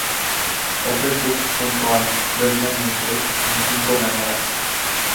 Open Cup junto al Bethlehem Steel, con cinco ganadas.